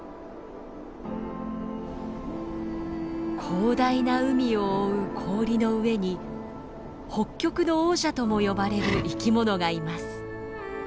広大な海を覆う氷の上に北極の王者とも呼ばれる生きものがいます。